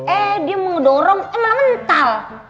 eh dia mau dorong emang mental